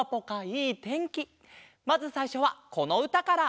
まずさいしょはこのうたから！